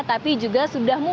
tapi juga sudah mulai